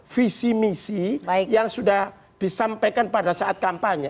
visi misi yang sudah disampaikan pada saat kampanye